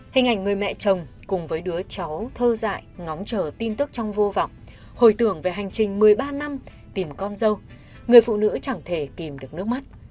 hình ảnh người mẹ chồng cùng với đứa cháu thơ dại ngóng chờ tin tức trong vô vọng hồi tưởng về hành trình một mươi ba năm tìm con dâu người phụ nữ chẳng thể tìm được nước mắt